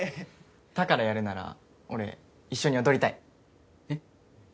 宝やるなら俺一緒に踊りたいえっ？